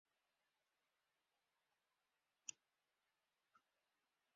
Tras esta segunda detención, la espada no fue hallada en el inmueble del imputado.